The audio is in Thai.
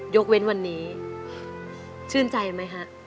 ยกเว้นวันนี้ชื่นใจไหมฮะ